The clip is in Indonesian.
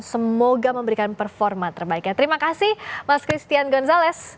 semoga memberikan performa terbaiknya terima kasih mas christian gonzalez